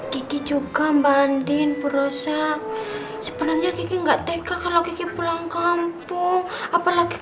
kiki juga banding berusaha sebenarnya kiki enggak teka kalau kiki pulang kampung apalagi